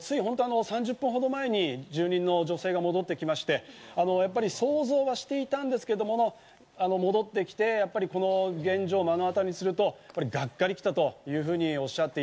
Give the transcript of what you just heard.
３０分ほど前に住人の女性が戻って来まして、想像はしていたんですけれども、戻ってきて、現状を目の当たりにするとがっかり来たというふうにおっしゃって